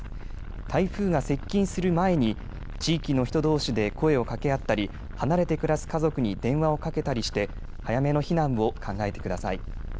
台風が接近する前に地域の人どうしで声をかけ合ったり、離れて暮らす家族に電話をかけたりして早めの避難を考えてください。